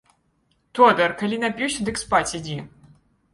Тодар, калі напіўся, дык спаць ідзі.